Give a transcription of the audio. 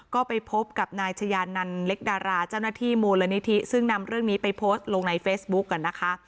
ก็ไปพบกับนายชายานันเล็กดาราเจ้าหน้าที่มูลนิธิซึ่งนำเรื่องนี้ไปโพสต์ลงในเฟซบุ๊กกันนะคะ